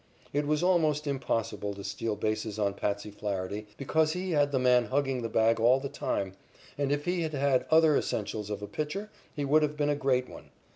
It was almost impossible to steal bases on "Patsy" Flaherty because he had the men hugging the bag all the time, and if he had had other essentials of a pitcher, he would have been a great one.